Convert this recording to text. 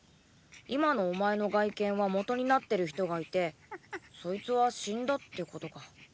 今のお前の外見は「元」になってる人がいてそいつは死んだってことか。